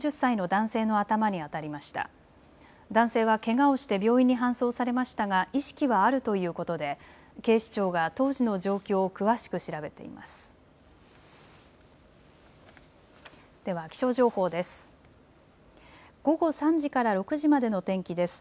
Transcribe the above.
男性はけがをして病院に搬送されましたが意識はあるということで警視庁が当時の状況を詳しく調べています。